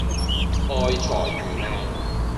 愛財如命